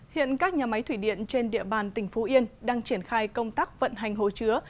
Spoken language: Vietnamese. hiện các nhà máy thủy điện trên địa bàn tỉnh phú yên đang triển khai công tác vận hành hồ chứa